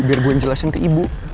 biar gue yang jelasin ke ibu